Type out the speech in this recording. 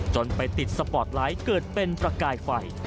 จนไปติดสปอร์ตไลท์เกิดเป็นประกายไฟ